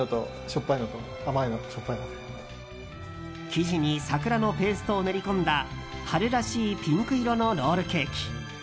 生地に桜のペーストを練り込んだ春らしいピンク色のロールケーキ。